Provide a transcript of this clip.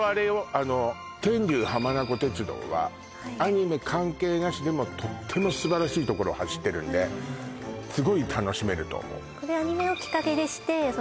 あの天竜浜名湖鉄道はアニメ関係なしでもとっても素晴らしい所を走ってるんですごい楽しめると思ううん